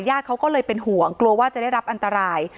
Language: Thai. เขาก็เลยเป็นห่วงกลัวว่าจะได้รับอันตราย